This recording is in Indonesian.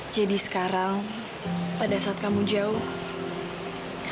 jadi sekarang pada saat kamu jauh